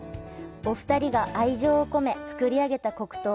お二人が愛情を込め作り上げた黒糖。